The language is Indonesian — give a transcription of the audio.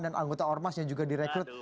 dan anggota ormas yang juga direkrut